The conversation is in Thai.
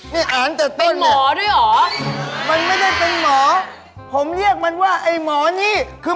นี่อันนี้แต่ต้นเนี่ยเป็นหมอด้วยหรือ